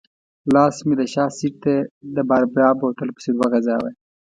لاس مې د شا سېټ ته د باربرا بوتل پسې ورو غځاوه.